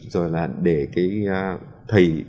rồi là để cái